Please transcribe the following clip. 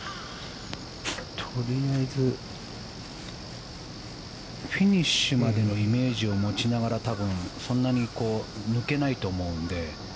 とりあえずフィニッシュまでのイメージを持ちながらそんなに抜けないと思うので。